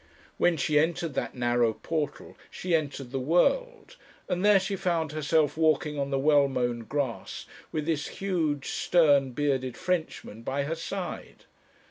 When she entered that narrow portal she entered the world, and there she found herself walking on the well mown grass with this huge, stern, bearded Frenchman by her side!